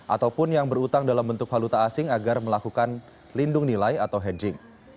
ataupun yang berutang dalam bentuk haluta asing agar melakukan lindung nilai atau hedging